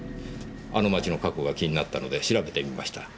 あの町の過去が気になったので調べてみました。